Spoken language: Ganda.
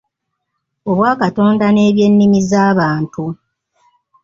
Obwakatonda n’ebyennimi z’abantu